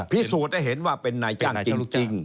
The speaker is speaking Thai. พี่สุภาพจะเห็นว่าเป็นหน่ายจ้างจริง